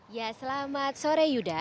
ya selamat sore yuda